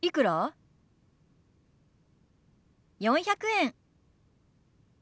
４００円。